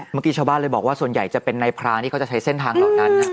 เมื่อกี้ชาวบ้านเลยบอกว่าส่วนใหญ่จะเป็นในพรางที่เขาจะใช้เส้นทางเหล่านั้น